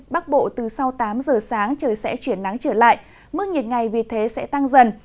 bắc bộ từ sau tám giờ sáng trời sẽ chuyển nắng trở lại mức nhiệt ngày vì thế sẽ tăng dần